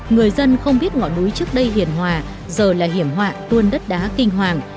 người dân không biết ngọn núi trước đây hiền hòa giờ là hiểm họa tuôn đất đá kinh hoàng